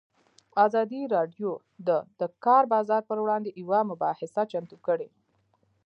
ازادي راډیو د د کار بازار پر وړاندې یوه مباحثه چمتو کړې.